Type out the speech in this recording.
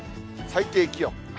最低気温。